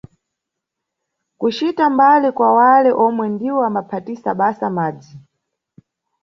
Kucita mbali kwa wale omwe ndiwo ambaphatisa basa madzi.